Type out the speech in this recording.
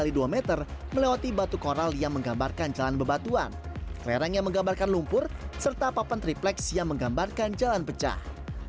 dari dua meter melewati batu koral yang menggambarkan jalan bebatuan lereng yang menggambarkan lumpur serta papan triplex yang menggambarkan jalan pecah